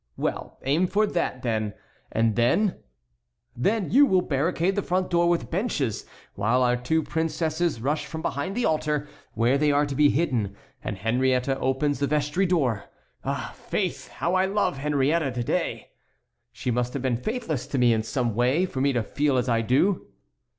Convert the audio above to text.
"Well, aim for that, and then"— "Then you will barricade the front door with benches while our two princesses rush from behind the altar, where they are to be hidden, and Henriette opens the vestry door. Ah, faith, how I love Henriette to day! She must have been faithless to me in some way for me to feel as I do."